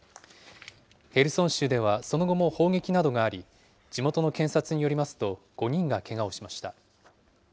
ヘルソン州ではその後も砲撃などがあり、地元の検察によりますと、５人がけがをしました。